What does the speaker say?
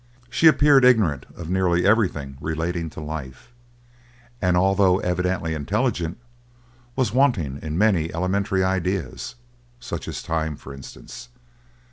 She appeared ignorant of nearly everything relating to life, and, although evidently intelligent, was wanting in many elementary ideas, such as time, for instance.